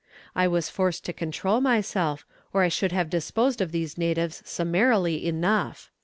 I was forced to control myself, or I should have disposed of these natives summarily enough."